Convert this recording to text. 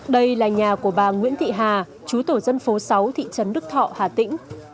đây là nhà của bà nguyễn thị hà chú tổ dân phố sáu thị trấn đức thọ hà tĩnh